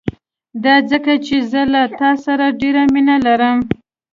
دا ځکه چې زه له تا سره ډېره مينه لرم.